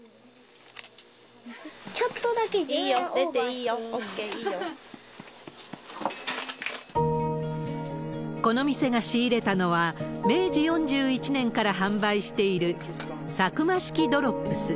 ちょっとだけ、いいよ、この店が仕入れたのは、明治４１年から販売しているサクマ式ドロップス。